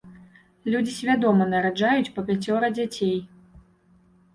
Людзі свядома нараджаюць па пяцёра дзяцей.